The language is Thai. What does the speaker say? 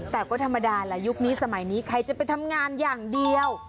แต่ก็ธรรมดาแหละยุคนี้สมัยนี้ใครจะไปทำงานอย่างเดียว